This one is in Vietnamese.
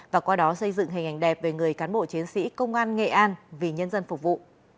và qua đó xây dựng hình ảnh đẹp về người cán bộ chiến sĩ công an nghệ an vì nhân dân phục vụ